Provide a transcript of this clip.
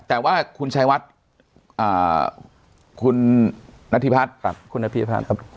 แต่ว่าคุณชายวัดคุณนัทธิพัฒน์คุณนพิพัฒน์ครับ